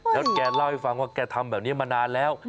แล้วแกเล่าให้ฟังว่าแกทำแบบนี้มานานแล้ว